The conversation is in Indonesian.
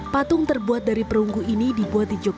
patung terbuat dari perunggu ini dibuat di yogyakarta